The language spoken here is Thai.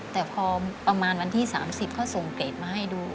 แต่พอประมาณวันที่๓๐เขาส่งเกรดมาให้ดู